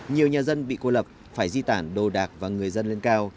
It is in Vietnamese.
nhiều nhà dân bị cô lập phải di tản đồ đạc và người dân lên cao